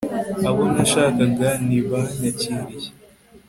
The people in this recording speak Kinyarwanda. abo nashakaga ntibanyakiriye